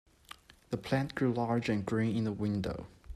The plant grew large and green in the window.